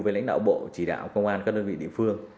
với lãnh đạo bộ chỉ đạo công an các đơn vị địa phương